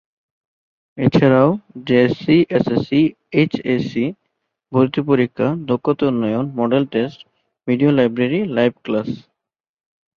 এছাড়াও JSC, SSC, HSC, ভর্তি পরীক্ষা, দক্ষতা উন্নয়ন, model test, video library, live class.